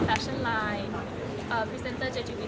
ได้ก่อนที่ให้โอกาสเฮียไหม